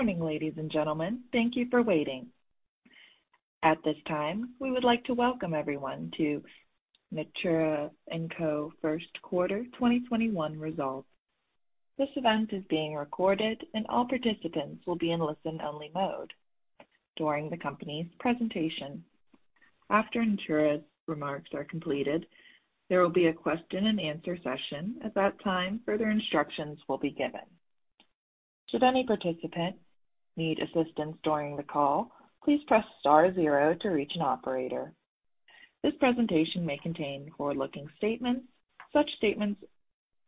Good morning, ladies and gentlemen. Thank you for waiting. At this time, we would like to welcome everyone to Natura &Co First Quarter 2021 Results. This event is being recorded, and all participants will be in listen-only mode during the company's presentation. After Natura's remarks are completed, there will be a question and answer session. At that time, further instructions will be given. Should any participant need assistance during the call, please press star zero to reach an operator. This presentation may contain forward-looking statements. Such statements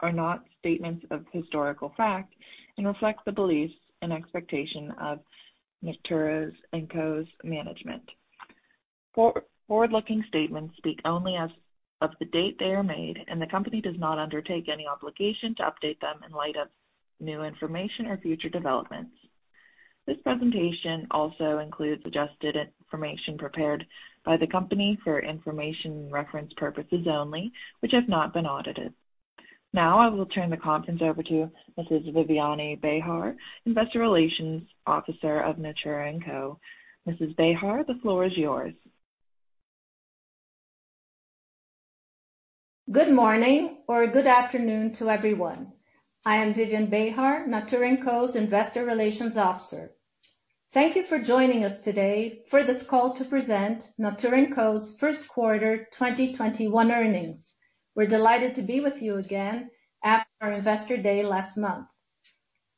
are not statements of historical fact and reflect the beliefs and expectation of Natura &Co's management. Forward-looking statements speak only as of the date they are made, and the company does not undertake any obligation to update them in light of new information or future developments. This presentation also includes adjusted information prepared by the company for information and reference purposes only, which have not been audited. Now, I will turn the conference over to Mrs. Viviane Behar, Investor Relations Officer of Natura &Co. Mrs. Behar, the floor is yours. Good morning or good afternoon to everyone. I am Viviane Behar, Natura &Co's Investor Relations Officer. Thank you for joining us today for this call to present Natura &Co's first quarter 2021 earnings. We are delighted to be with you again after our Investor Day last month.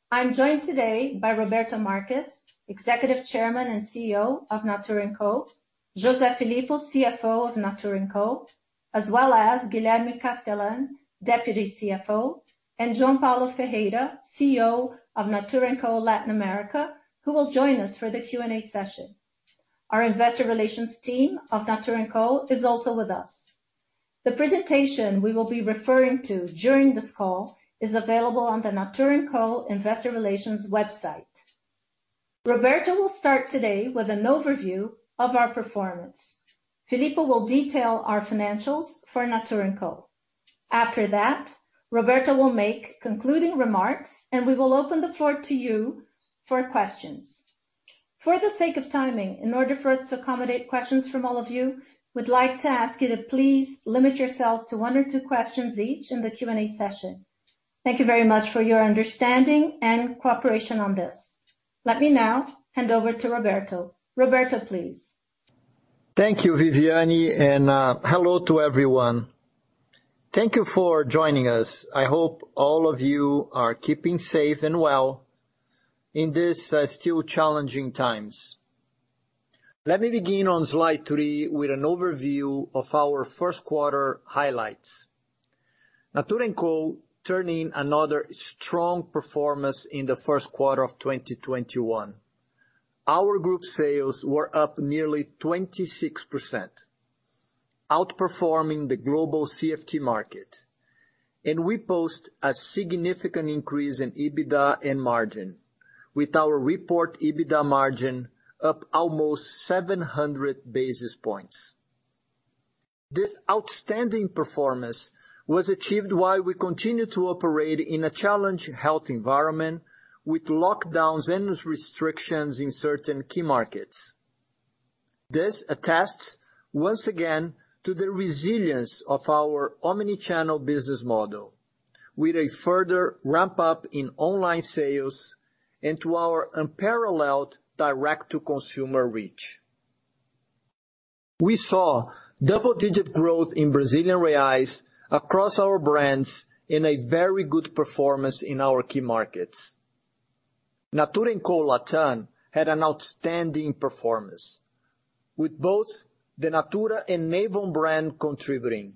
I am joined today by Roberto Marques, Executive Chairman and CEO of Natura &Co, José Filippo, CFO of Natura &Co, as well as Guilherme Castellan, Deputy CFO, and João Paulo Ferreira, CEO of Natura &Co Latin America, who will join us for the Q&A session. Our investor relations team of Natura &Co is also with us. The presentation we will be referring to during this call is available on the Natura &Co investor relations website. Roberto will start today with an overview of our performance. Filippo will detail our financials for Natura &Co. After that, Roberto will make concluding remarks, and we will open the floor to you for questions. For the sake of timing, in order for us to accommodate questions from all of you, we'd like to ask you to please limit yourselves to one or two questions each in the Q&A session. Thank you very much for your understanding and cooperation on this. Let me now hand over to Roberto. Roberto, please. Thank you, Viviane. Hello to everyone. Thank you for joining us. I hope all of you are keeping safe and well in these still challenging times. Let me begin on slide three with an overview of our first quarter highlights. Natura &Co turned in another strong performance in the first quarter of 2021. Our Group sales were up nearly 26%, outperforming the global CFT market. We post a significant increase in EBITDA and margin with our report EBITDA margin up almost 700 basis points. This outstanding performance was achieved while we continue to operate in a challenging health environment with lockdowns and restrictions in certain key markets. This attests once again to the resilience of our omni-channel business model with a further ramp-up in online sales and to our unparalleled direct-to-consumer reach. We saw double-digit growth in Brazilian reais across our brands in a very good performance in our key markets. Natura &Co Latam had an outstanding performance with both the Natura and Avon brand contributing.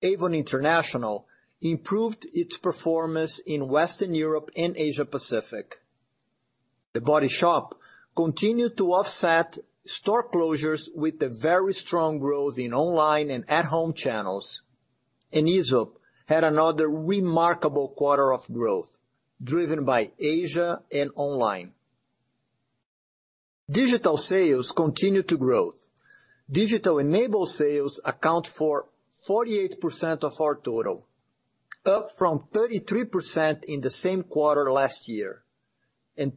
Avon International improved its performance in Western Europe and Asia Pacific. The Body Shop continued to offset store closures with a very strong growth in online and at-home channels. Aesop had another remarkable quarter of growth driven by Asia and online. Digital sales continue to grow. Digital-enabled sales account for 48% of our total, up from 33% in the same quarter last year.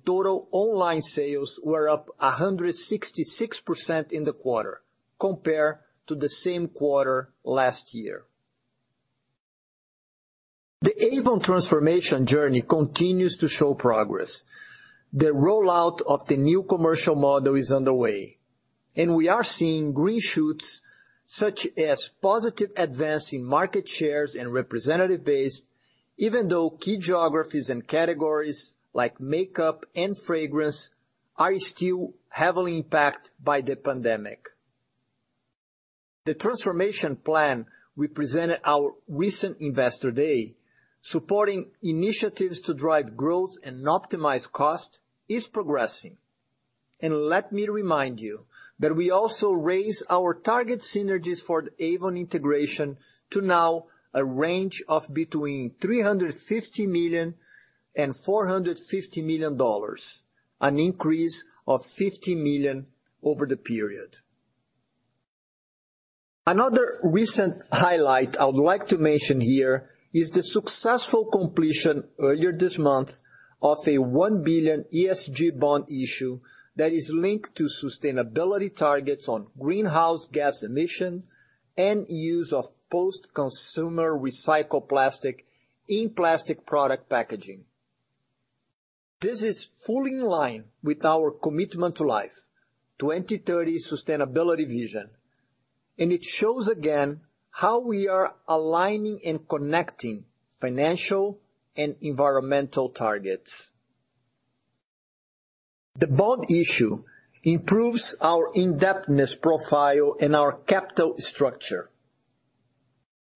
Total online sales were up 166% in the quarter compared to the same quarter last year. The Avon transformation journey continues to show progress. The rollout of the new commercial model is underway, and we are seeing green shoots, such as positive advance in market shares and representative base, even though key geographies and categories like makeup and fragrance are still heavily impacted by the pandemic. The transformation plan we presented our recent Investor Day, supporting initiatives to drive growth and optimize cost, is progressing. Let me remind you that we also raised our target synergies for the Avon integration to now a range of between $350 million and $450 million, an increase of $50 million over the period. Another recent highlight I would like to mention here is the successful completion earlier this month of a $1 billion ESG bond issue that is linked to sustainability targets on greenhouse gas emissions and use of post-consumer recycled plastic in plastic product packaging. This is fully in line with our Commitment to Life 2030 sustainability vision. It shows again how we are aligning and connecting financial and environmental targets. The bond issue improves our indebtedness profile and our capital structure.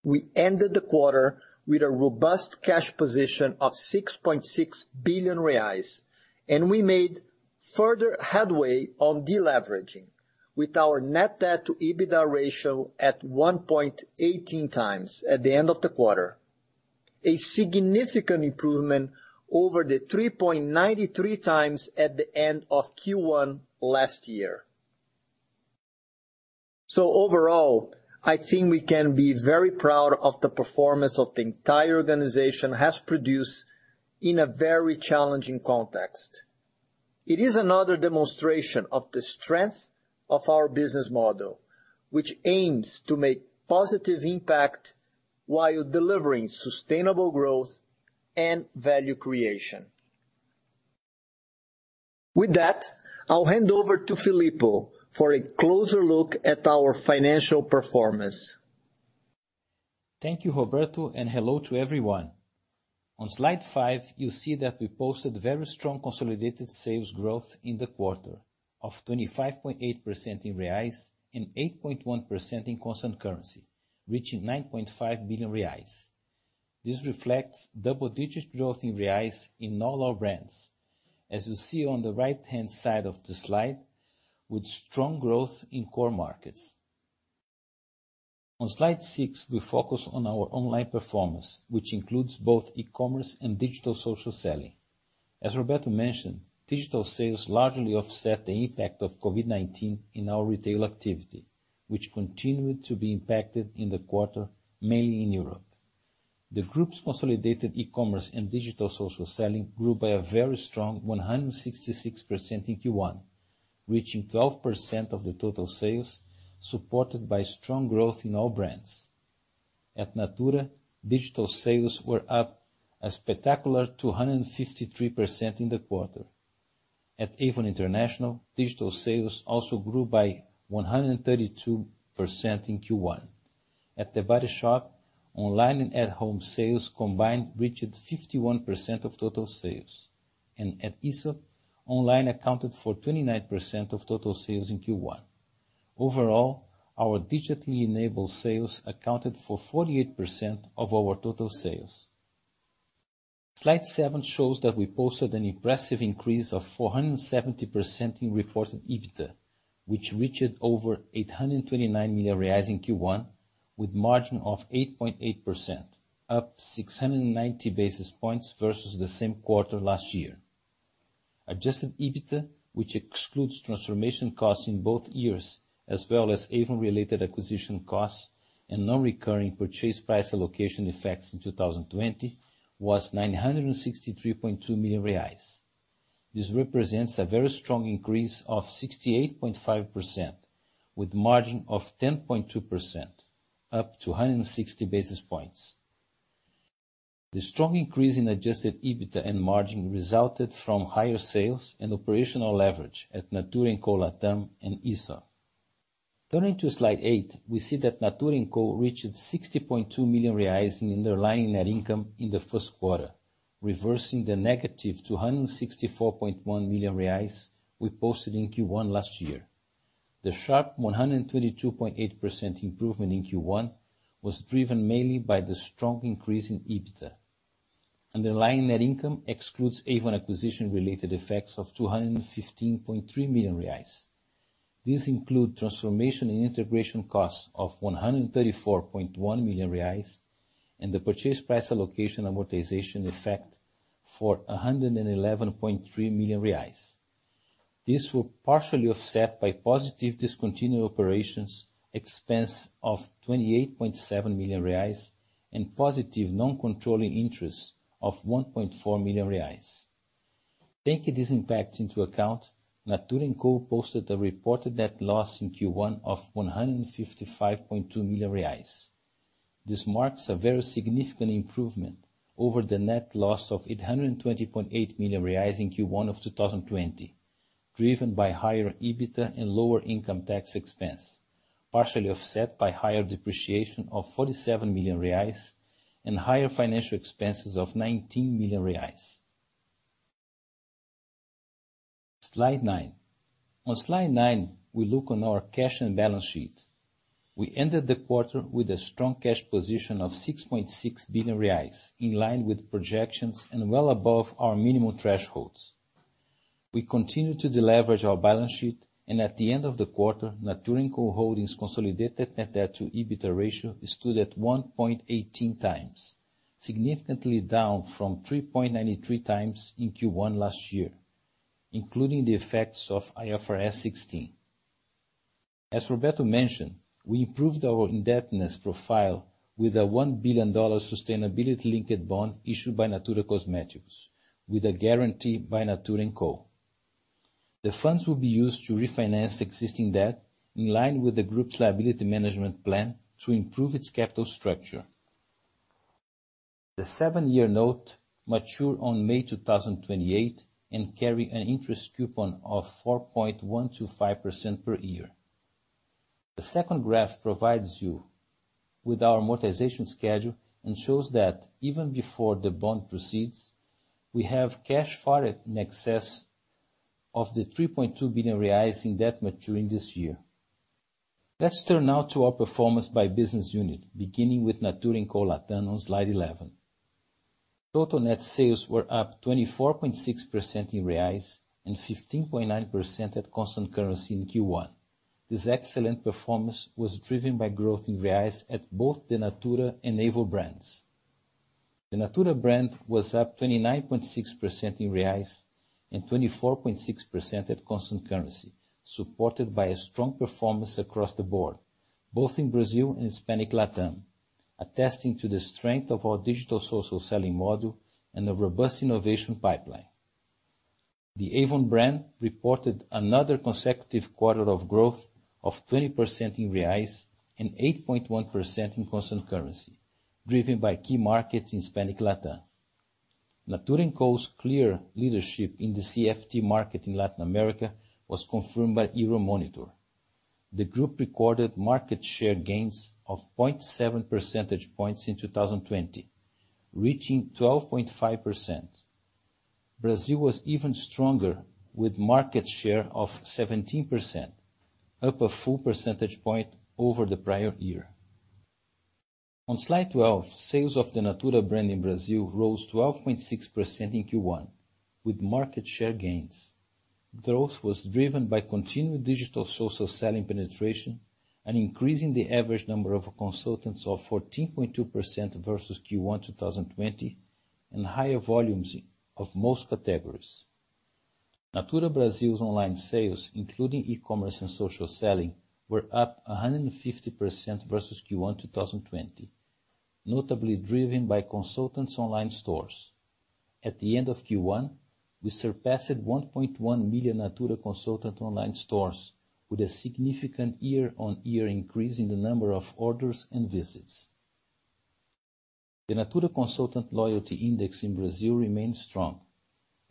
We ended the quarter with a robust cash position of 6.6 billion reais. We made further headway on deleveraging with our net debt to EBITDA ratio at 1.18x at the end of the quarter, a significant improvement over the 3.93x at the end of Q1 last year. Overall, I think we can be very proud of the performance the entire organization has produced in a very challenging context. It is another demonstration of the strength of our business model, which aims to make positive impact while delivering sustainable growth and value creation. With that, I'll hand over to Filippo for a closer look at our financial performance. Thank you, Roberto, and hello to everyone. On slide five, you'll see that we posted very strong consolidated sales growth in the quarter of 25.8% in reais and 8.1% in constant currency, reaching 9.5 billion reais. This reflects double-digit growth in reais in all our brands. As you see on the right-hand side of the slide, with strong growth in core markets. On slide six, we focus on our online performance, which includes both e-commerce and digital social selling. As Roberto mentioned, digital sales largely offset the impact of COVID-19 in our retail activity, which continued to be impacted in the quarter, mainly in Europe. The group's consolidated e-commerce and digital social selling grew by a very strong 166% in Q1, reaching 12% of the total sales, supported by strong growth in all brands. At Natura, digital sales were up a spectacular 253% in the quarter. At Avon International, digital sales also grew by 132% in Q1. At The Body Shop, online and at-home sales combined reached 51% of total sales. At Aesop, online accounted for 29% of total sales in Q1. Overall, our digitally enabled sales accounted for 48% of our total sales. Slide seven shows that we posted an impressive increase of 470% in reported EBITDA, which reached over 829 million reais in Q1, with a margin of 8.8%, up 690 basis points versus the same quarter last year. Adjusted EBITDA, which excludes transformation costs in both years, as well as Avon-related acquisition costs and non-recurring purchase price allocation effects in 2020, was 963.2 million reais. This represents a very strong increase of 68.5%, with a margin of 10.2%, up 260 basis points. The strong increase in adjusted EBITDA and margin resulted from higher sales and operational leverage at Natura &Co Latam and Aesop. Turning to slide eight, we see that Natura &Co reached 60.2 million reais in underlying net income in the first quarter, reversing the -264.1 million reais we posted in Q1 last year. The sharp 122.8% improvement in Q1 was driven mainly by the strong increase in EBITDA. Underlying net income excludes Avon acquisition-related effects of 215.3 million reais. These include transformation and integration costs of 134.1 million reais and the purchase price allocation amortization effect for 111.3 million reais. This was partially offset by positive discontinued operations expense of 28.7 million reais and positive non-controlling interests of 1.4 million reais. Taking these impacts into account, Natura &Co posted a reported net loss in Q1 of 155.2 million reais. This marks a very significant improvement over the net loss of 820.8 million reais in Q1 of 2020, driven by higher EBITDA and lower income tax expense, partially offset by higher depreciation of 47 million reais and higher financial expenses of 19 million reais. Slide nine. On slide nine, we look at our cash and balance sheet. We ended the quarter with a strong cash position of 6.6 billion reais, in line with projections and well above our minimum thresholds. We continued to deleverage our balance sheet, and at the end of the quarter, Natura &Co Holdings' consolidated net debt to EBITDA ratio stood at 1.18x, significantly down from 3.93x in Q1 last year. Including the effects of IFRS 16. As Roberto mentioned, we improved our indebtedness profile with a $1 billion sustainability-linked bond issued by Natura Cosméticos, with a guarantee by Natura &Co. The funds will be used to refinance existing debt in line with the Group's liability management plan to improve its capital structure. The seven-year note mature on May 2028 and carry an interest coupon of 4.125% per year. The second graph provides you with our amortization schedule and shows that even before the bond proceeds, we have cash far in excess of the 3.2 billion reais in debt maturing this year. Let's turn now to our performance by business unit, beginning with Natura &Co Latam on slide 11. Total net sales were up 24.6% in reais and 15.9% at constant currency in Q1. This excellent performance was driven by growth in reais at both the Natura and Avon brands. The Natura brand was up 29.6% in reais and 24.6% at constant currency, supported by a strong performance across the board, both in Brazil and Hispanic Latam, attesting to the strength of our digital social selling model and a robust innovation pipeline. The Avon brand reported another consecutive quarter of growth of 20% in reais and 8.1% in constant currency, driven by key markets in Hispanic Latam. Natura &Co's clear leadership in the CFT market in Latin America was confirmed by Euromonitor. The group recorded market share gains of 0.7 percentage points in 2020, reaching 12.5%. Brazil was even stronger, with market share of 17%, up a full percentage point over the prior year. On slide 12, sales of the Natura brand in Brazil rose 12.6% in Q1, with market share gains. Growth was driven by continued digital social selling penetration and increasing the average number of consultants of 14.2% versus Q1 2020, and higher volumes of most categories. Natura Brazil's online sales, including e-commerce and social selling, were up 150% versus Q1 2020, notably driven by consultants' online stores. At the end of Q1, we surpassed 1.1 million Natura consultant online stores with a significant year-on-year increase in the number of orders and visits. The Natura consultant loyalty index in Brazil remains strong,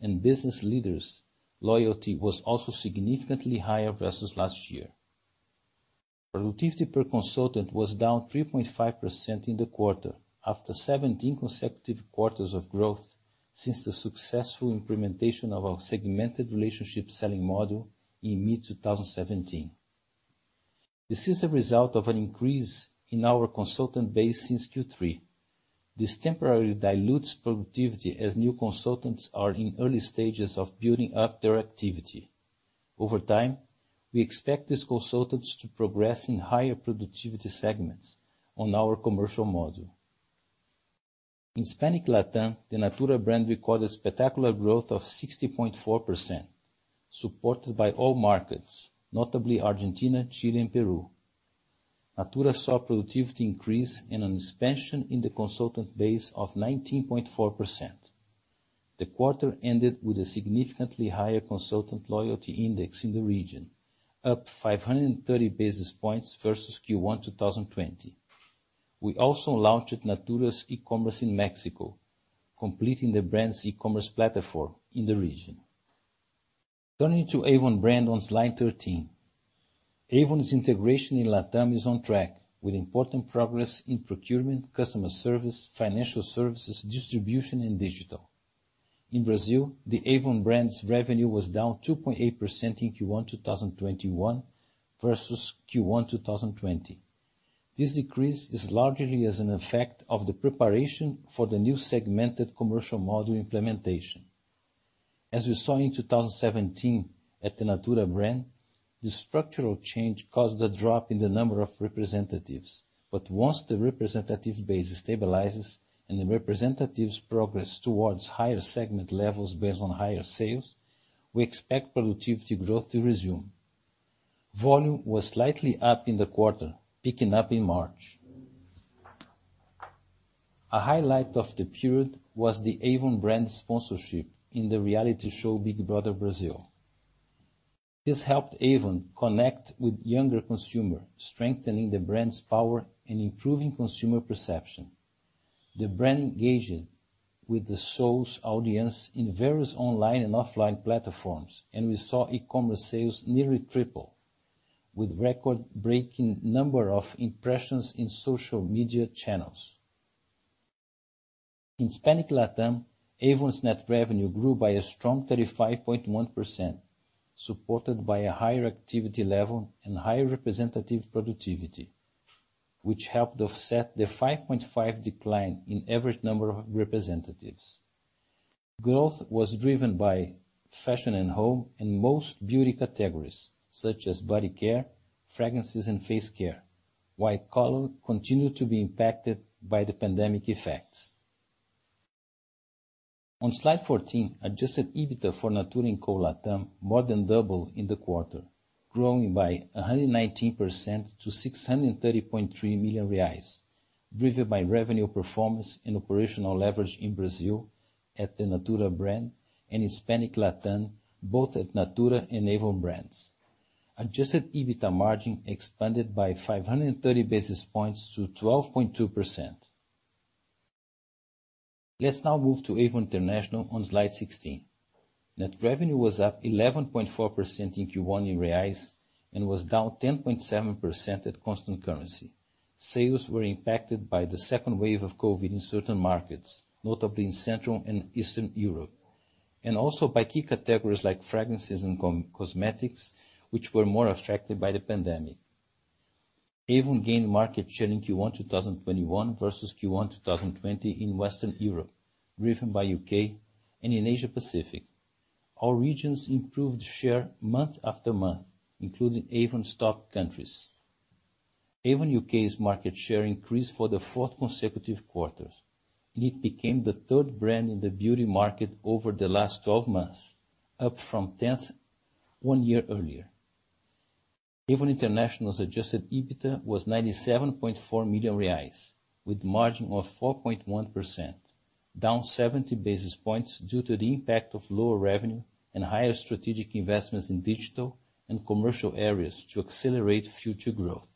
and business leaders' loyalty was also significantly higher versus last year. Productivity per consultant was down 3.5% in the quarter after 17 consecutive quarters of growth since the successful implementation of our segmented relationship selling model in mid-2017. This is a result of an increase in our consultant base since Q3. This temporarily dilutes productivity as new consultants are in early stages of building up their activity. Over time, we expect these consultants to progress in higher productivity segments on our commercial model. In Hispanic Latam, the Natura brand recorded spectacular growth of 60.4%, supported by all markets, notably Argentina, Chile, and Peru. Natura saw productivity increase and an expansion in the consultant base of 19.4%. The quarter ended with a significantly higher consultant loyalty index in the region, up 530 basis points versus Q1 2020. We also launched Natura's e-commerce in Mexico, completing the brand's e-commerce platform in the region. Turning to Avon brand on slide 13. Avon's integration in Latam is on track, with important progress in procurement, customer service, financial services, distribution, and digital. In Brazil, the Avon brand's revenue was down 2.8% in Q1 2021 versus Q1 2020. This decrease is largely as an effect of the preparation for the new segmented commercial model implementation. As we saw in 2017 at the Natura brand, the structural change caused a drop in the number of representatives. Once the representative base stabilizes and the representatives progress towards higher segment levels based on higher sales, we expect productivity growth to resume. Volume was slightly up in the quarter, picking up in March. A highlight of the period was the Avon brand sponsorship in the reality show "Big Brother Brazil." This helped Avon connect with younger consumer, strengthening the brand's power and improving consumer perception. The brand engaged with the show's audience in various online and offline platforms, and we saw e-commerce sales nearly triple, with record-breaking number of impressions in social media channels. In Hispanic Latam, Avon's net revenue grew by a strong 35.1%, supported by a higher activity level and higher representative productivity, which helped offset the 5.5% decline in average number of representatives. Growth was driven by fashion and home and most beauty categories, such as body care, fragrances, and face care. Color continued to be impacted by the pandemic effects. On slide 14, adjusted EBITDA for Natura &Co Latam more than doubled in the quarter, growing by 119% to 630.3 million reais, driven by revenue performance and operational leverage in Brazil at the Natura brand and Hispanic Latam, both at Natura and Avon brands. Adjusted EBITDA margin expanded by 530 basis points to 12.2%. Let's now move to Avon International on slide 16. Net revenue was up 11.4% in Q1 in reais and was down 10.7% at constant currency. Sales were impacted by the second wave of COVID in certain markets, notably in Central and Eastern Europe, and also by key categories like fragrances and cosmetics, which were more affected by the pandemic. Avon gained market share in Q1 2021 versus Q1 2020 in Western Europe, driven by U.K. and in Asia-Pacific. All regions improved share month-over-month, including Avon's top countries. Avon U.K.'s market share increased for the fourth consecutive quarter, and it became the third brand in the beauty market over the last 12 months, up from 10th one year earlier. Avon International's adjusted EBITDA was 97.4 million reais, with a margin of 4.1%, down 70 basis points due to the impact of lower revenue and higher strategic investments in digital and commercial areas to accelerate future growth.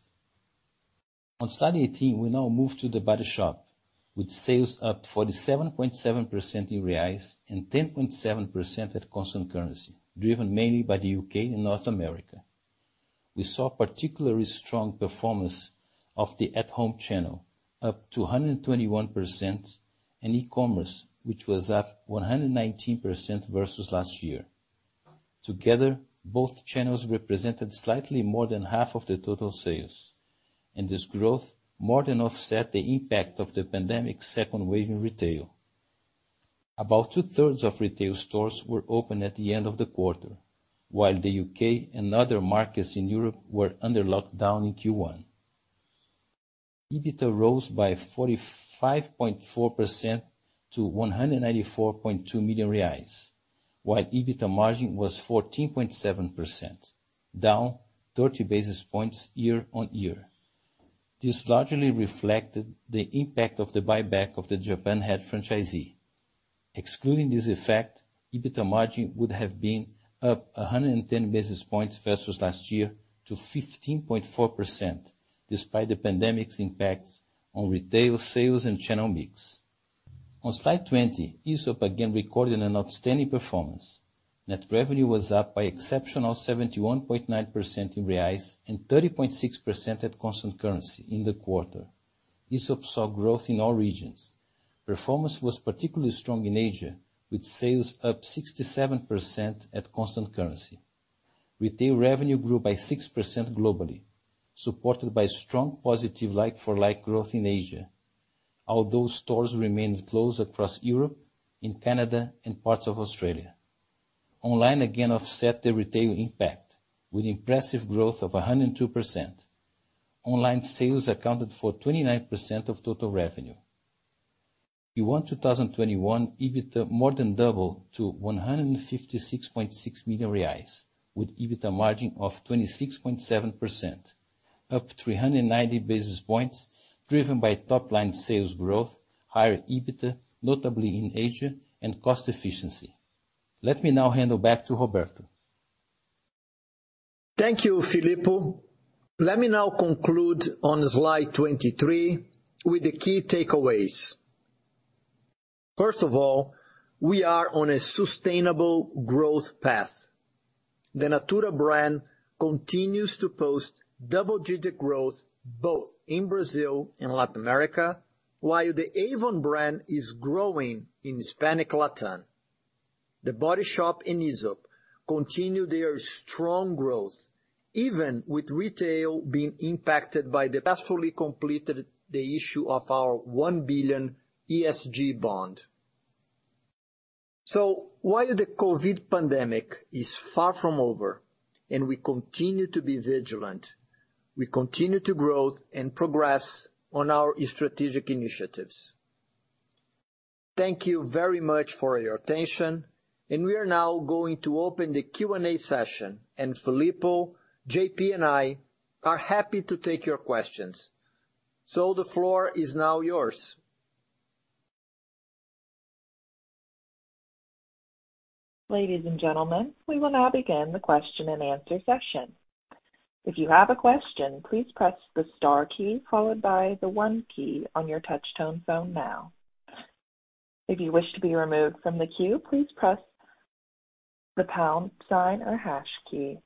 On slide 18, we now move to The Body Shop, with sales up 47.7% in reais and 10.7% at constant currency, driven mainly by the U.K. and North America. We saw particularly strong performance of the at-home channel, up 221%, and e-commerce, which was up 119% versus last year. Together, both channels represented slightly more than half of the total sales. This growth more than offset the impact of the pandemic's second wave in retail. About two-thirds of retail stores were open at the end of the quarter, while the U.K. and other markets in Europe were under lockdown in Q1. EBITDA rose by 45.4% to 194.2 million reais, while EBITDA margin was 14.7%, down 30 basis points year-on-year. This largely reflected the impact of the buyback of the Japan head franchisee. Excluding this effect, EBITDA margin would have been up 110 basis points versus last year to 15.4%, despite the pandemic's impact on retail sales and channel mix. On slide 20, Aesop again recorded an outstanding performance. Net revenue was up by exceptional 71.9% in reais and 30.6% at constant currency in the quarter. Aesop saw growth in all regions. Performance was particularly strong in Asia, with sales up 67% at constant currency. Retail revenue grew by 6% globally, supported by strong positive like-for-like growth in Asia, although stores remained closed across Europe, in Canada, and parts of Australia. Online again offset the retail impact with impressive growth of 102%. Online sales accounted for 29% of total revenue. Q1 2021 EBITDA more than doubled to 156.6 million reais with EBITDA margin of 26.7%, up 390 basis points, driven by top-line sales growth, higher EBITDA, notably in Asia, and cost efficiency. Let me now hand it back to Roberto. Thank you, Filippo. Let me now conclude on slide 23 with the key takeaways. First of all, we are on a sustainable growth path. The Natura brand continues to post double-digit growth both in Brazil and Latin America, while the Avon brand is growing in Hispanic Latam. The Body Shop and Aesop continue their strong growth, even with retail being impacted, successfully completed the issue of our $1 billion ESG bond. While the COVID pandemic is far from over and we continue to be vigilant, we continue to grow and progress on our strategic initiatives. Thank you very much for your attention, and we are now going to open the Q&A session. Filippo, JP, and I are happy to take your questions. The floor is now yours. Ladies and gentlemen, we will now begin the question and answer session. If you have a question, please press the star key followed by the one key on your touch-tone phone now. If you wish to be removed from the queue, please press pound sign or hash key.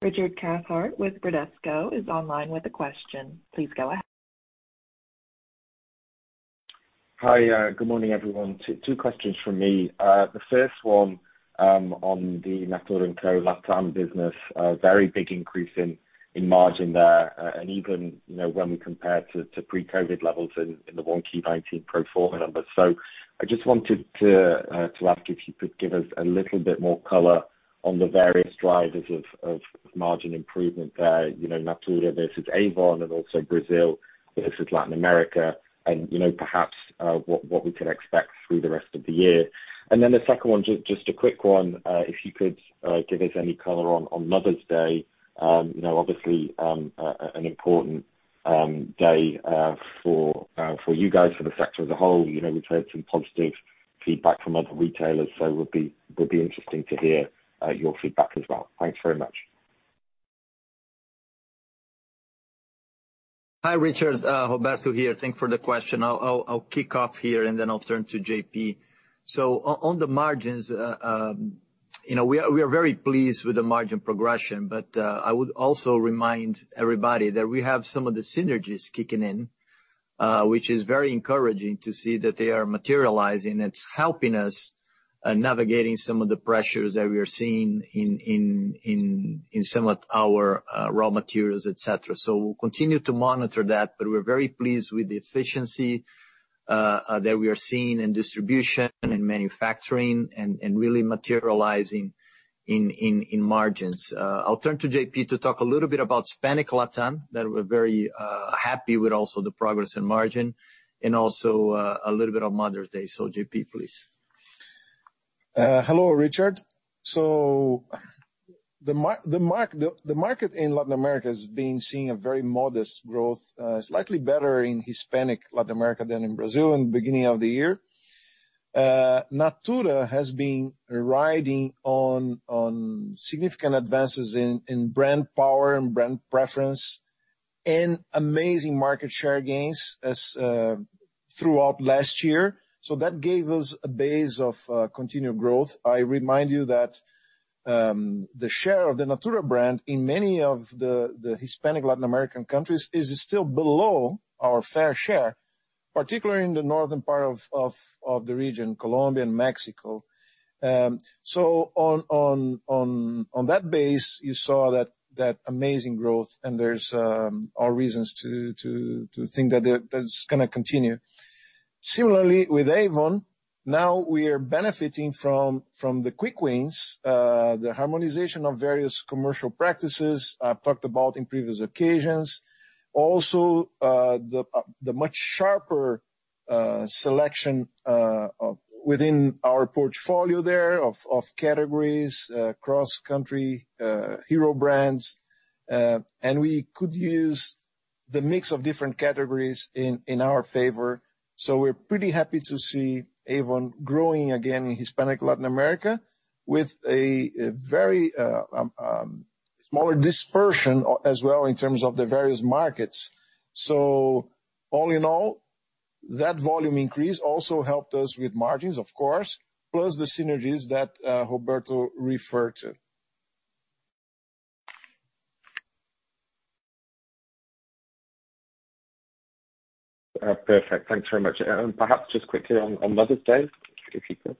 Richard Cathcart with Bradesco is online with a question. Please go ahead. Hi. Good morning, everyone. Two questions from me. The first one on the Natura &Co Latam business. A very big increase in margin there, and even when we compare to pre-COVID levels in the 1Q 2019 pro forma numbers. I just wanted to ask if you could give us a little bit more color on the various drivers of margin improvement there, Natura versus Avon and also Brazil versus Latin America, and perhaps what we could expect through the rest of the year. The second one, just a quick one, if you could give us any color on Mother's Day. Obviously, an important day for you guys, for the sector as a whole. We've heard some positive feedback from other retailers, would be interesting to hear your feedback as well. Thanks very much. Hi, Richard. Roberto here. Thank you for the question. I'll kick off here and then I'll turn to JP. On the margins, we are very pleased with the margin progression, but I would also remind everybody that we have some of the synergies kicking in, which is very encouraging to see that they are materializing. It's helping us navigating some of the pressures that we are seeing in some of our raw materials, et cetera. We'll continue to monitor that, but we're very pleased with the efficiency that we are seeing in distribution and in manufacturing and really materializing in margins. I'll turn to JP to talk a little bit about Hispanic Latam, that we're very happy with also the progress in margin, and also a little bit on Mother's Day. JP, please. Hello, Richard. The market in Latin America has been seeing a very modest growth, slightly better in Hispanic Latin America than in Brazil in the beginning of the year. Natura has been riding on significant advances in brand power and brand preference and amazing market share gains as throughout last year. That gave us a base of continued growth. I remind you that the share of the Natura brand in many of the Hispanic Latin American countries is still below our fair share, particularly in the northern part of the region, Colombia and Mexico. On that base, you saw that amazing growth and there's all reasons to think that that's going to continue. Similarly, with Avon, now we are benefiting from the quick wins, the harmonization of various commercial practices I've talked about in previous occasions. The much sharper selection within our portfolio there of categories, cross-country hero brands. We could use the mix of different categories in our favor. We're pretty happy to see Avon growing again in Hispanic Latin America with a very smaller dispersion as well in terms of the various markets. All in all, that volume increase also helped us with margins, of course, plus the synergies that Roberto referred to. Perfect. Thanks very much. Perhaps just quickly on Mother's Day, if you could?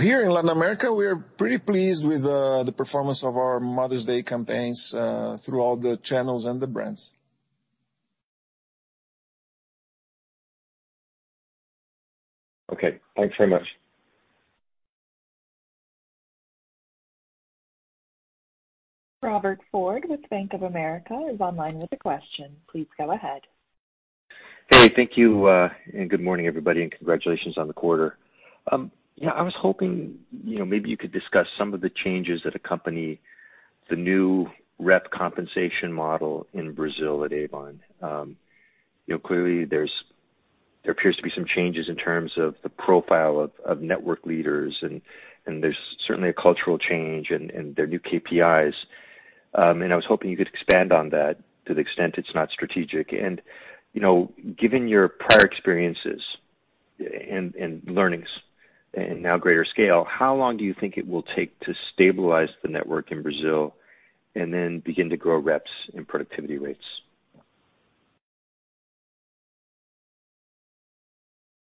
Here in Latin America, we are pretty pleased with the performance of our Mother's Day campaigns through all the channels and the brands. Okay, thanks very much. Robert Ford with Bank of America is online with a question. Please go ahead. Hey, thank you, and good morning, everybody, and congratulations on the quarter. I was hoping maybe you could discuss some of the changes that accompany the new rep compensation model in Brazil at Avon. Clearly, there appears to be some changes in terms of the profile of network leaders, and there's certainly a cultural change and their new KPIs. I was hoping you could expand on that to the extent it's not strategic. Given your prior experiences and learnings and now greater scale, how long do you think it will take to stabilize the network in Brazil and then begin to grow reps and productivity rates?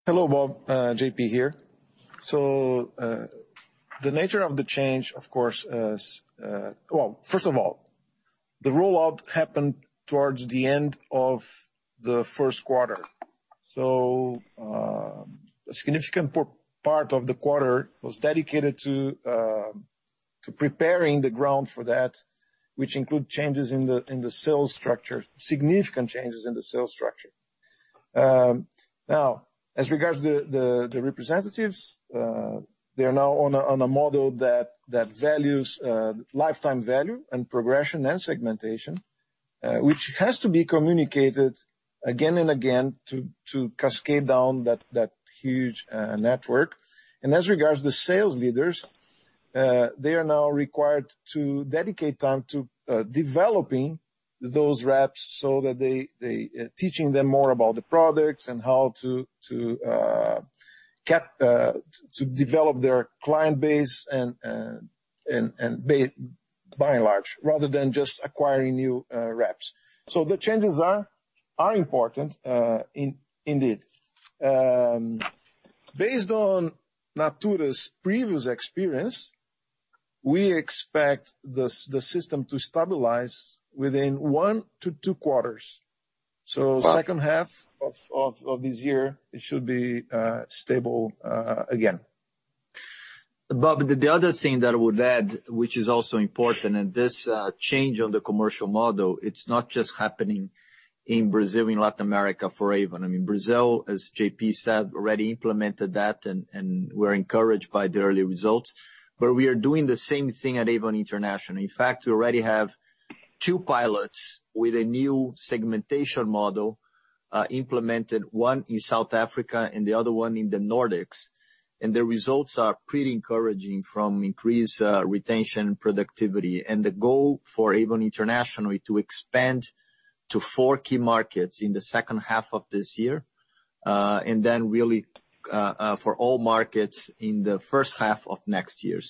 Hello, Bob. JP here. The nature of the change, of course, first of all, the rollout happened towards the end of the first quarter. A significant part of the quarter was dedicated to preparing the ground for that, which include changes in the sales structure, significant changes in the sales structure. Now, as regards the representatives, they are now on a model that values lifetime value and progression and segmentation, which has to be communicated again and again to cascade down that huge network. As regards the sales leaders, they are now required to dedicate time to developing those reps, teaching them more about the products and how to develop their client base by and large, rather than just acquiring new reps. The changes are important indeed. Based on Natura's previous experience, we expect the system to stabilize within one to two quarters. Second half of this year, it should be stable again. Bob, the other thing that I would add, which is also important, this change on the commercial model, it's not just happening in Brazil, in Latin America, for Avon. I mean, Brazil, as JP said, already implemented that, we're encouraged by the early results. We are doing the same thing at Avon International. In fact, we already have two pilots with a new segmentation model implemented, one in South Africa and the other one in the Nordics. The results are pretty encouraging from increased retention, productivity, the goal for Avon International is to expand to four key markets in the second half of this year, really for all markets in the first half of next year.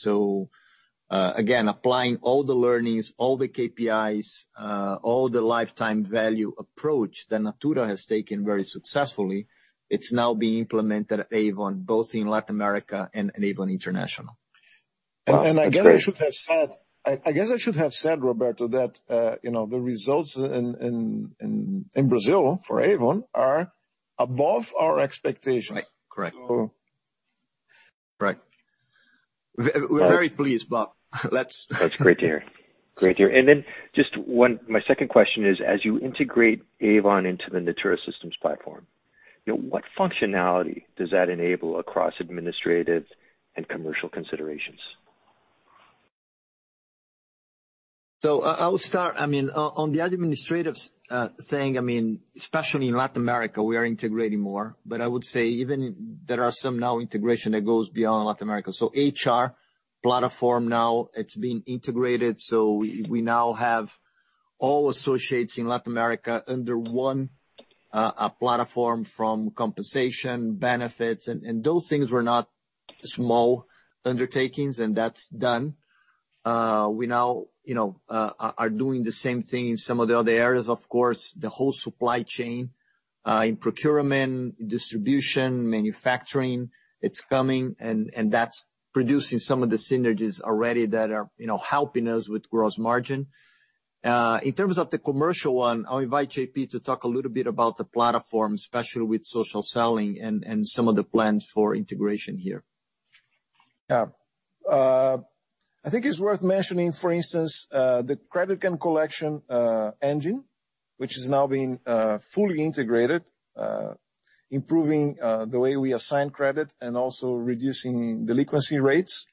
Again, applying all the learnings, all the KPIs, all the lifetime value approach that Natura has taken very successfully, it's now being implemented at Avon, both in Latin America and Avon International. I guess I should have said, Roberto, that the results in Brazil for Avon are above our expectations. Right. Correct. So. Right. We're very pleased, Bob. That's great to hear. Great to hear. Just My second question is, as you integrate Avon into the Natura systems platform, what functionality does that enable across administrative and commercial considerations? I'll start. On the administrative thing, especially in Latin America, we are integrating more. I would say even there are some now integration that goes beyond Latin America. HR platform now, it's being integrated, so we now have all associates in Latin America under one platform from compensation, benefits, and those things were not small undertakings, and that's done. We now are doing the same thing in some of the other areas. Of course, the whole supply chain, in procurement, distribution, manufacturing, it's coming, and that's producing some of the synergies already that are helping us with gross margin. In terms of the commercial one, I'll invite JP to talk a little bit about the platform, especially with social selling and some of the plans for integration here. I think it's worth mentioning, for instance, the credit and collection engine, which is now being fully integrated, improving the way we assign credit and also reducing delinquency rates.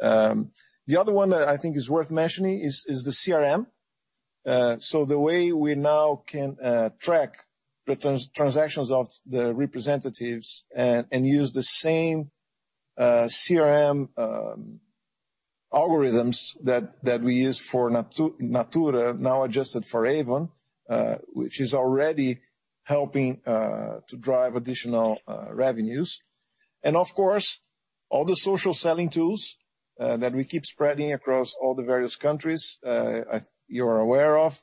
The other one that I think is worth mentioning is the CRM. The way we now can track the transactions of the representatives and use the same CRM algorithms that we use for Natura, now adjusted for Avon, which is already helping to drive additional revenues. Of course, all the social selling tools that we keep spreading across all the various countries, you are aware of,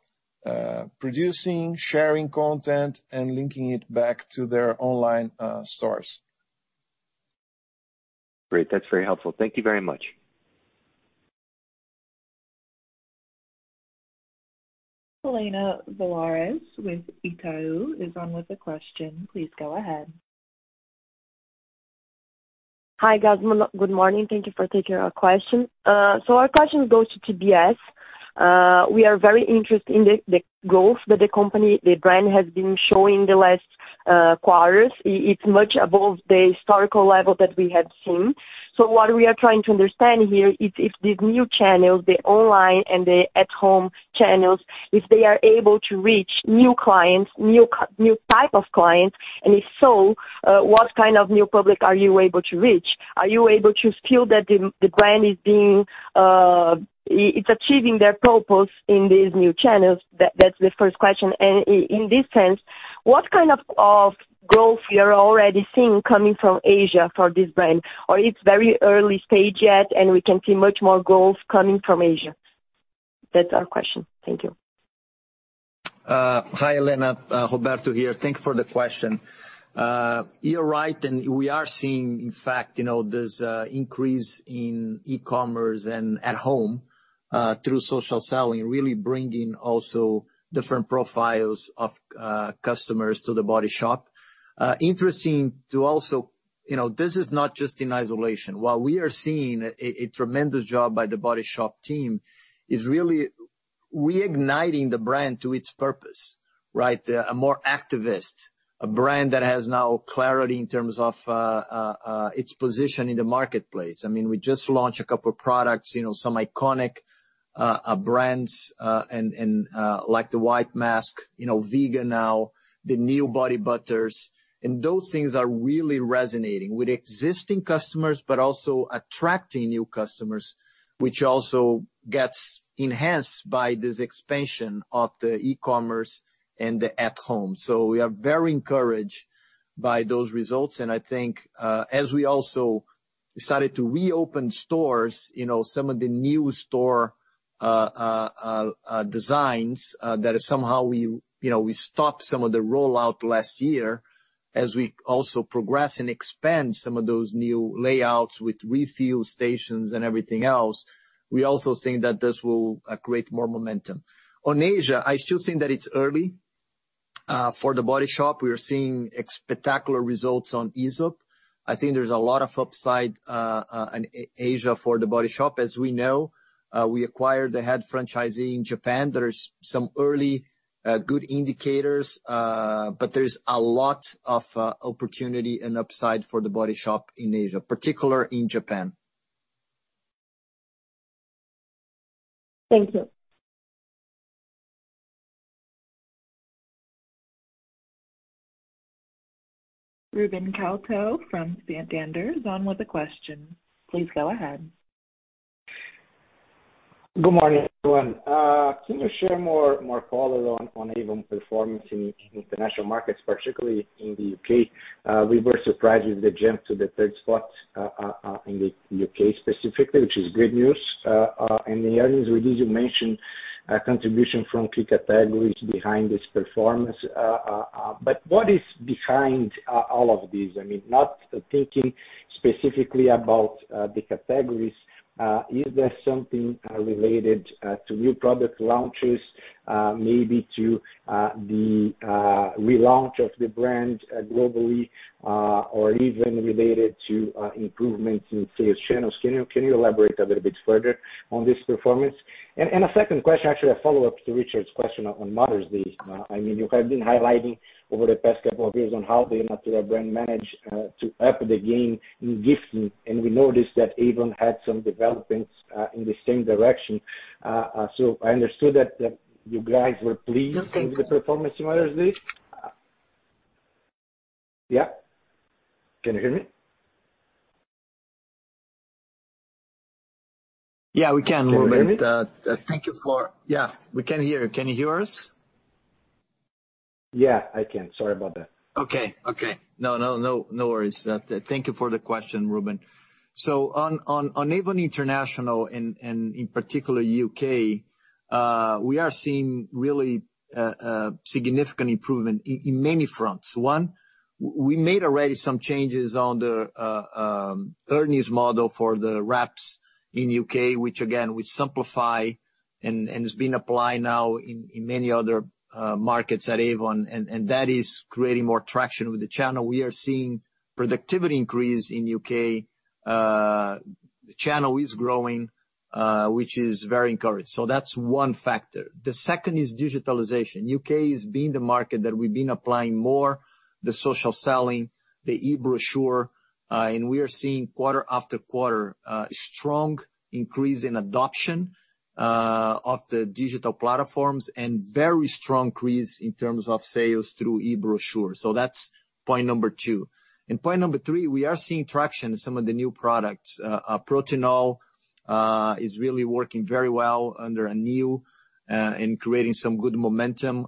producing, sharing content, and linking it back to their online stores. Great. That's very helpful. Thank you very much. Helena Villares with Itaú is on with a question. Please go ahead. Hi, guys. Good morning. Thank you for taking our question. Our question goes to TBS. We are very interested in the growth that the company, the brand, has been showing the last quarters. It's much above the historical level that we had seen. What we are trying to understand here is if these new channels, the online and the at-home channels, if they are able to reach new clients, new type of clients, and if so, what kind of new public are you able to reach? Are you able to feel that the brand is achieving their purpose in these new channels? That's the first question. In this sense, what kind of growth you're already seeing coming from Asia for this brand? It's very early stage yet, and we can see much more growth coming from Asia? That's our question. Thank you. Hi, Helena. Roberto here. Thank you for the question. You're right, we are seeing, in fact, this increase in e-commerce and at home, through social selling, really bringing also different profiles of customers to The Body Shop. This is not just in isolation. While we are seeing a tremendous job by The Body Shop team, is really reigniting the brand to its purpose, right? A more activist, a brand that has now clarity in terms of its position in the marketplace. We just launched a couple products, some iconic brands, like the White Musk, vegan now, the new body butters. Those things are really resonating with existing customers, but also attracting new customers, which also gets enhanced by this expansion of the e-commerce and the at home. We are very encouraged by those results, and I think, as we also started to reopen stores, some of the new store designs that somehow we stopped some of the rollout last year, as we also progress and expand some of those new layouts with refuel stations and everything else, we also think that this will create more momentum. On Asia, I still think that it's early. For The Body Shop, we are seeing spectacular results on Aesop. I think there's a lot of upside in Asia for The Body Shop. As we know, we acquired the head franchisee in Japan. There's some early good indicators, but there's a lot of opportunity and upside for The Body Shop in Asia, particular in Japan. Thank you. Ruben Couto from Santander is on with a question. Please go ahead. Good morning, everyone. Can you share more color on Avon performance in international markets, particularly in the U.K.? We were surprised with the jump to the third spot in the U.K. specifically, which is great news. In the earnings release, you mentioned contribution from key categories behind this performance. What is behind all of this? Not thinking specifically about the categories, is there something related to new product launches, maybe to the relaunch of the brand globally, or even related to improvements in sales channels? Can you elaborate a little bit further on this performance? A second question, actually, a follow-up to Richard's question on Mother's Day. You have been highlighting over the past couple of years on how the Natura brand managed to up the game in gifting, and we noticed that Avon had some developments in the same direction. I understood that you guys were pleased. Just a second. with the performance on Mother's Day. Yeah. Can you hear me? Yeah, we can, Ruben. Can you hear me? Yeah, we can hear. Can you hear us? Yeah, I can. Sorry about that. Okay. No worries. Thank you for the question, Ruben. On Avon International, and in particular U.K., we are seeing really significant improvement in many fronts. One, we made already some changes on the earnings model for the reps in U.K., which again, we simplify and it's being applied now in many other markets at Avon, and that is creating more traction with the channel. We are seeing productivity increase in U.K. The channel is growing, which is very encouraged. That's one factor. The second is digitalization. U.K. is being the market that we've been applying more the social selling, the e-brochure, and we are seeing quarter after quarter, strong increase in adoption of the digital platforms and very strong increase in terms of sales through e-brochure. That's point number two. Point number three, we are seeing traction in some of the new products. Protinol is really working very well under Anew and creating some good momentum,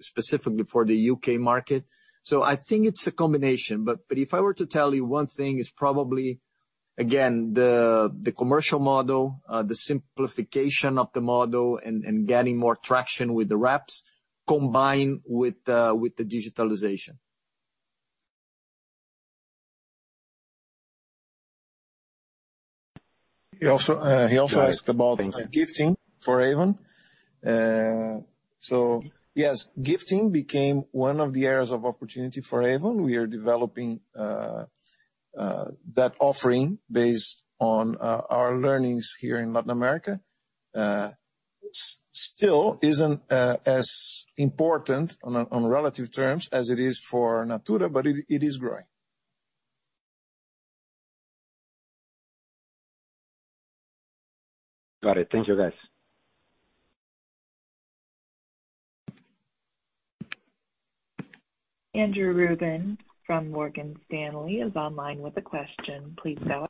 specifically for the U.K. market. I think it's a combination, but if I were to tell you one thing, it's probably, again, the commercial model, the simplification of the model and getting more traction with the reps combined with the digitalization. He also asked about gifting for Avon. Yes, gifting became one of the areas of opportunity for Avon. We are developing that offering based on our learnings here in Latin America. Still isn't as important on relative terms as it is for Natura, but it is growing. Got it. Thank you, guys. Andrew Ruben from Morgan Stanley is online with a question. Please go ahead.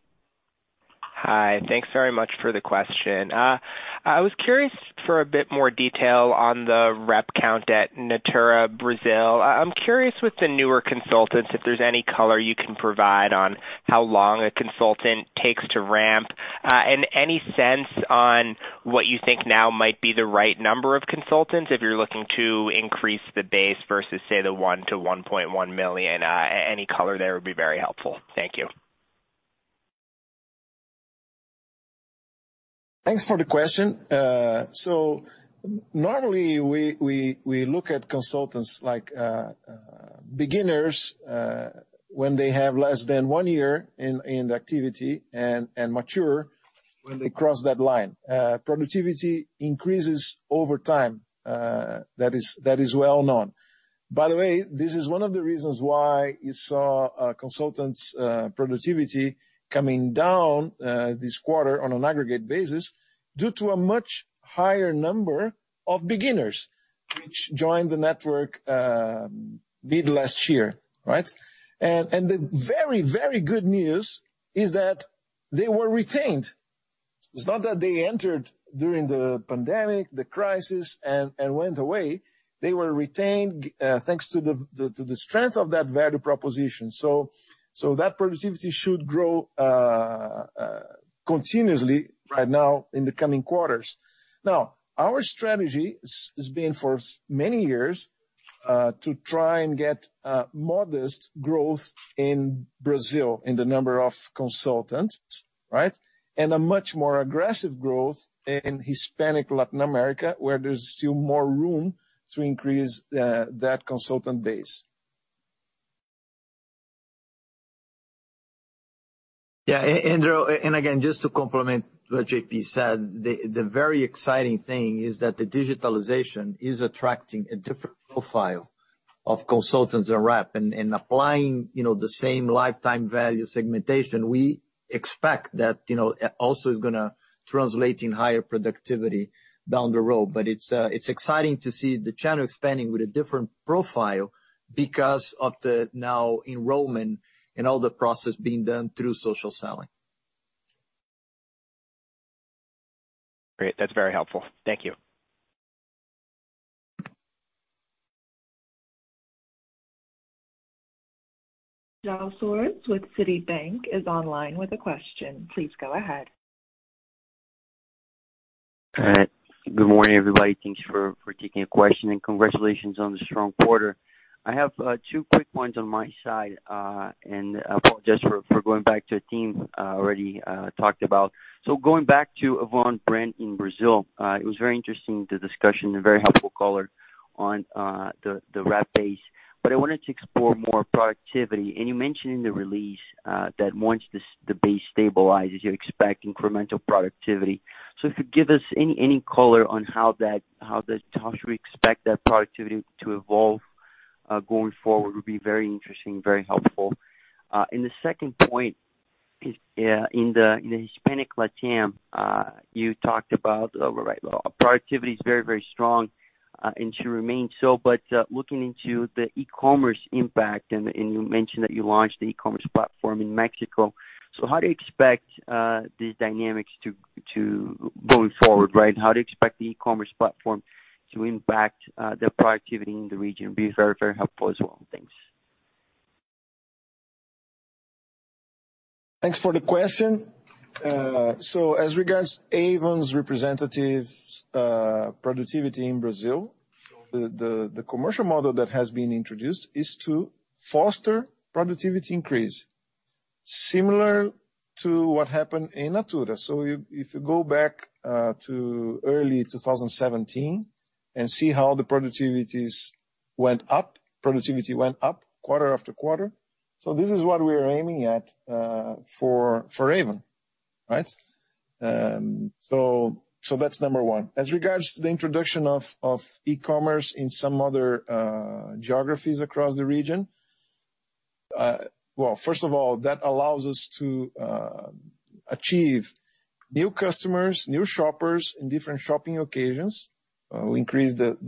Hi. Thanks very much for the question. I was curious for a bit more detail on the rep count at Natura Brasil. I'm curious with the newer consultants, if there's any color you can provide on how long a consultant takes to ramp, and any sense on what you think now might be the right number of consultants if you're looking to increase the base versus, say, the 1 million-1.1 million. Any color there would be very helpful. Thank you. Thanks for the question. Normally, we look at consultants like beginners, when they have less than one year in the activity, and mature when they cross that line. Productivity increases over time. That is well known. By the way, this is one of the reasons why you saw consultants' productivity coming down this quarter on an aggregate basis due to a much higher number of beginners, which joined the network mid last year, right? The very good news is that they were retained. It's not that they entered during the pandemic, the crisis, and went away. They were retained, thanks to the strength of that value proposition. That productivity should grow continuously right now in the coming quarters. Now, our strategy has been for many years, to try and get modest growth in Brazil in the number of consultants, right? A much more aggressive growth in Hispanic Latin America, where there's still more room to increase that consultant base. Again, just to complement what JP said, the very exciting thing is that the digitalization is attracting a different profile of consultants and reps and applying the same lifetime value segmentation. We expect that also is going to translate in higher productivity down the road. It's exciting to see the channel expanding with a different profile because of the now enrollment and all the process being done through social selling. Great. That's very helpful. Thank you. João Soares with Citibank is online with a question. Please go ahead. Good morning, everybody. Thanks for taking the question, and congratulations on the strong quarter. I have two quick points on my side. Apologies for going back to a theme already talked about. Going back to Avon brand in Brazil, it was very interesting, the discussion, a very helpful color on the rep base. I wanted to explore more productivity, and you mentioned in the release that once the base stabilizes, you expect incremental productivity. If you give us any color on how should we expect that productivity to evolve going forward, would be very interesting, very helpful. The second point is in the Hispanic Latam, you talked about productivity is very strong and should remain so, but looking into the e-commerce impact, and you mentioned that you launched the e-commerce platform in Mexico. How do you expect these dynamics going forward, right? How do you expect the e-commerce platform to impact the productivity in the region? Be very, very helpful as well. Thanks. Thanks for the question. As regards Avon's representatives productivity in Brazil, the commercial model that has been introduced is to foster productivity increase. Similar to what happened in Natura. If you go back to early 2017 and see how the productivities went up, productivity went up quarter after quarter. This is what we are aiming at for Avon. Right? That's number one. As regards to the introduction of e-commerce in some other geographies across the region, well, first of all, that allows us to achieve new customers, new shoppers in different shopping occasions. We increase the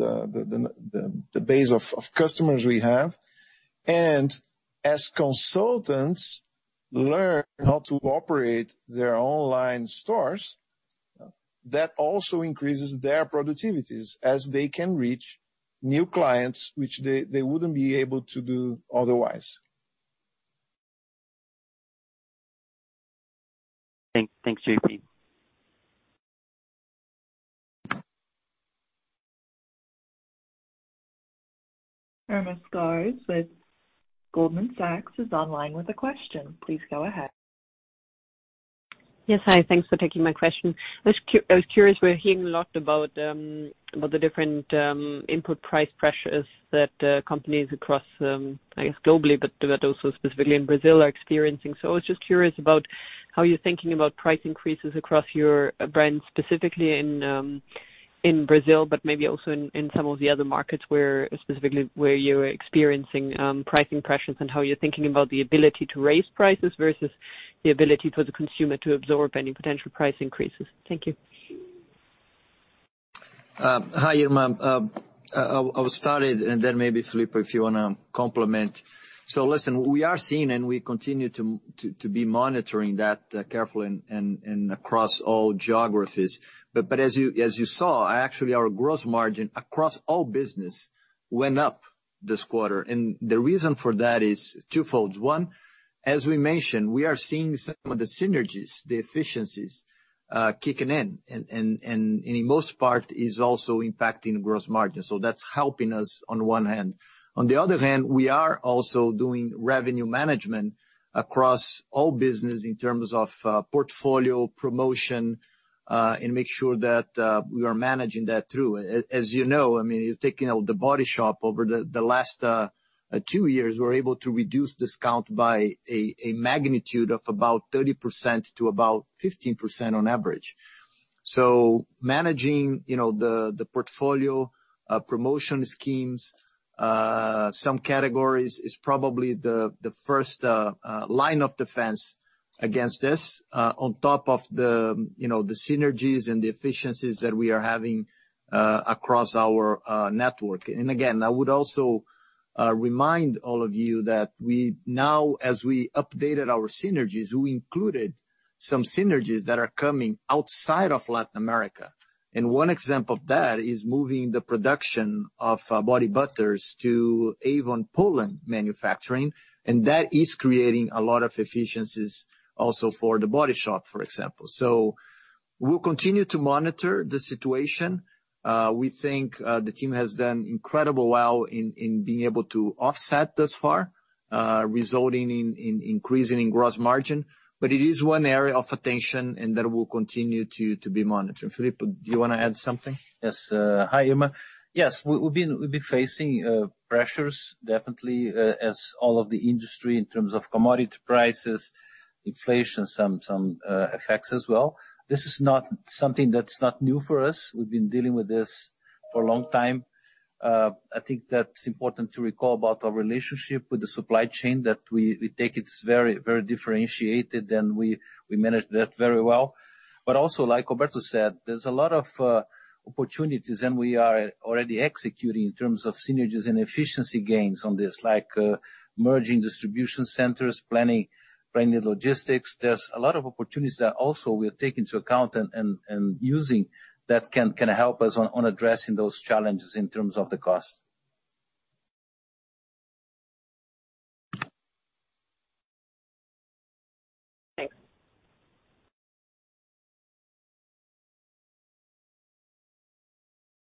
base of customers we have. As consultants learn how to operate their online stores, that also increases their productivities as they can reach new clients, which they wouldn't be able to do otherwise. Thanks, JP. Irma Sgarz with Goldman Sachs is online with a question. Please go ahead. Yes, hi. Thanks for taking my question. I was curious, we're hearing a lot about the different input price pressures that companies across, I guess globally, but also specifically in Brazil are experiencing. I was just curious about how you're thinking about price increases across your brands, specifically in Brazil, but maybe also in some of the other markets where specifically where you're experiencing price pressures and how you're thinking about the ability to raise prices versus the ability for the consumer to absorb any potential price increases. Thank you. Hi, Irma. I'll start it. Maybe Filippo if you want to complement. Listen, we are seeing and we continue to be monitoring that carefully and across all geographies. As you saw, actually our gross margin across all business went up this quarter. The reason for that is twofold. One, as we mentioned, we are seeing some of the synergies, the efficiencies, kicking in and in the most part is also impacting gross margin. That's helping us on one hand. On the other hand, we are also doing revenue management across all business in terms of portfolio promotion, and make sure that we are managing that through. As you know, I mean, if you're taking The Body Shop over the last two years, we're able to reduce discount by a magnitude of about 30% to about 15% on average. Managing the portfolio promotion schemes, some categories is probably the first line of defense against this, on top of the synergies and the efficiencies that we are having across our network. Again, I would also remind all of you that we now, as we updated our synergies, we included some synergies that are coming outside of Latin America. One example of that is moving the production of body butters to Avon Poland manufacturing, and that is creating a lot of efficiencies also for The Body Shop, for example. We'll continue to monitor the situation. We think the team has done incredible well in being able to offset thus far, resulting in increasing gross margin. It is one area of attention, and that will continue to be monitored. Filippo, do you want to add something? Yes. Hi, Irma. Yes. We've been facing pressures, definitely, as all of the industry in terms of commodity prices, inflation, some effects as well. This is not something that's not new for us. We've been dealing with this for a long time. I think that's important to recall about our relationship with the supply chain, that we take it very differentiated, and we manage that very well. Also, like Roberto said, there's a lot of opportunities, and we are already executing in terms of synergies and efficiency gains on this, like merging distribution centers, planning logistics. There's a lot of opportunities that also we take into account and using that can help us on addressing those challenges in terms of the cost. Thanks.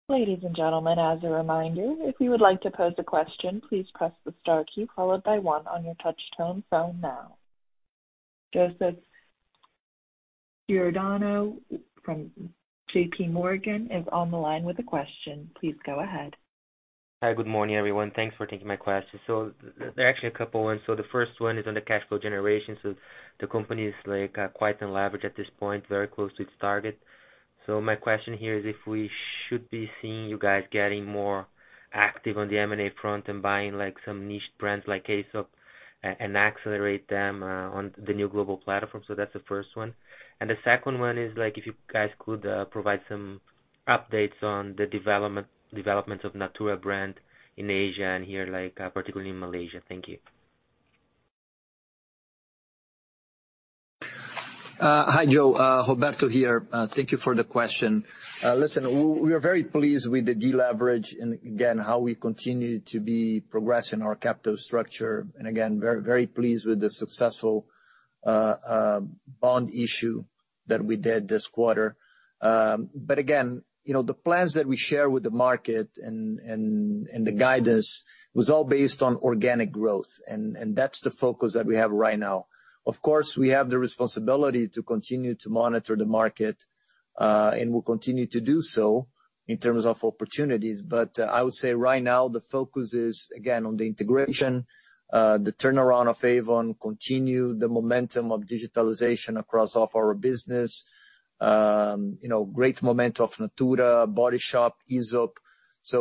Ladies and gentlemen, as a reminder, if you would like to post a question, please press the star key followed by one on your touch-tone phone now. Joseph Giordano from JPMorgan is on the line with a question. Please go ahead. Hi, good morning, everyone. Thanks for taking my questions. There are actually a couple ones. The first one is on the cash flow generation. The company is quite unleveraged at this point, very close to its target. My question here is if we should be seeing you guys getting more active on the M&A front and buying some niche brands like Aesop and accelerate them on the new global platform. That's the first one. The second one is if you guys could provide some updates on the development of Natura brand in Asia and here, particularly in Malaysia. Thank you. Hi, Joe. Roberto here. Thank you for the question. Listen, we are very pleased with the deleverage and, again, how we continue to be progressing our capital structure. again, very pleased with the successful bond issue that we did this quarter. again, the plans that we share with the market and the guidance was all based on organic growth, and that's the focus that we have right now. Of course, we have the responsibility to continue to monitor the market, and we'll continue to do so in terms of opportunities. I would say right now, the focus is, again, on the integration, the turnaround of Avon, continue the momentum of digitalization across all of our business. Great momentum of Natura, Body Shop, Aesop.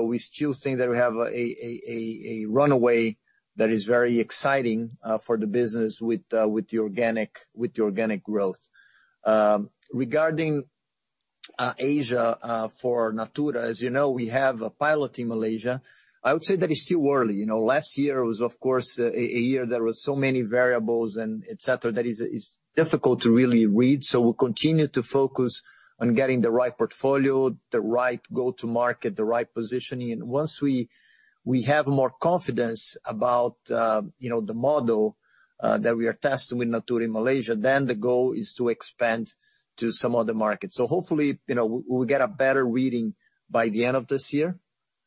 We still think that we have a runaway that is very exciting for the business with the organic growth. Regarding Asia for Natura, as you know, we have a pilot in Malaysia. I would say that it's still early. Last year was, of course, a year there were so many variables and et cetera, that it's difficult to really read. We'll continue to focus on getting the right portfolio, the right go to market, the right positioning. Once we have more confidence about the model that we are testing with Natura in Malaysia, then the goal is to expand to some other markets. Hopefully, we'll get a better reading by the end of this year,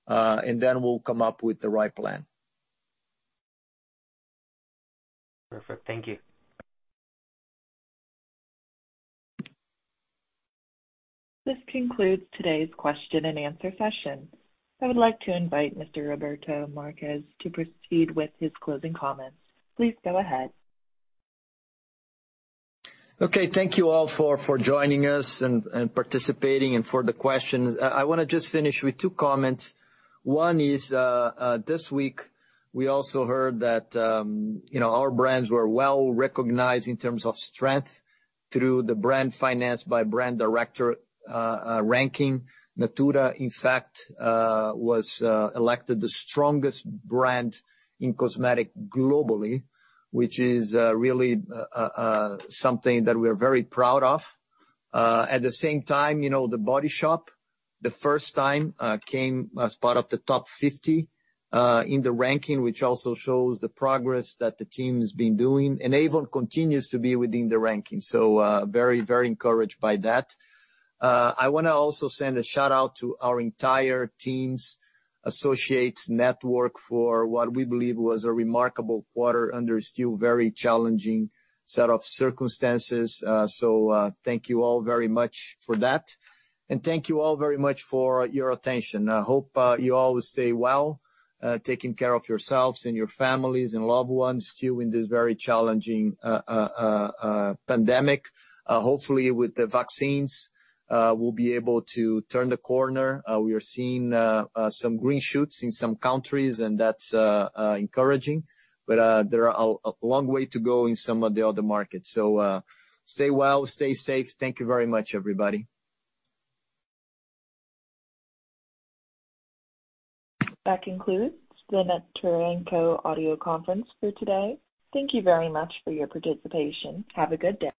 and then we'll come up with the right plan. Perfect. Thank you. This concludes today's question and answer session. I would like to invite Mr. Roberto Marques to proceed with his closing comments. Please go ahead. Okay. Thank you all for joining us and participating and for the questions. I want to just finish with two comments. One is, this week we also heard that our brands were well-recognized in terms of strength through the Brand Finance by Brandirectory ranking. Natura, in fact, was elected the strongest brand in cosmetic globally, which is really something that we are very proud of. At the same time, The Body Shop, the first time, came as part of the top 50 in the ranking, which also shows the progress that the team has been doing. Avon continues to be within the ranking. Very encouraged by that. I want to also send a shout-out to our entire teams, associates, network for what we believe was a remarkable quarter under still very challenging set of circumstances. Thank you all very much for that, and thank you all very much for your attention. I hope you all stay well, taking care of yourselves and your families and loved ones still in this very challenging pandemic. Hopefully, with the vaccines, we'll be able to turn the corner. We are seeing some green shoots in some countries, and that's encouraging. There are a long way to go in some of the other markets. Stay well, stay safe. Thank you very much, everybody. That concludes the Natura &Co audio conference for today. Thank you very much for your participation. Have a good day.